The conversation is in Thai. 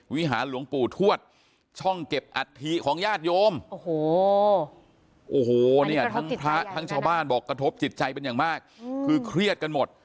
วิหารหลวงปู่ทวดช่องเก็บอัฐิของญาติโยมโอ้โหโอ้โหเนี่ยทั้งพระทั้งชาวบ้านบอกกระทบจิตใจเป็นอย่างมากคือเครียดกันหมด